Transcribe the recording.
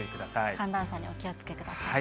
寒暖差にお気をつけください。